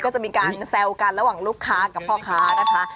ก็จะมีการแซวกันระหว่างลูกค้ากับพ่อค้านะคะ